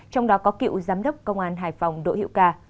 trong đó có cựu giám đốc công an hải phòng đỗ hiệu ca